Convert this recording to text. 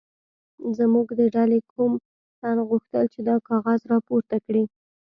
زموږ د ډلې کوم تن غوښتل چې دا کاغذ راپورته کړي.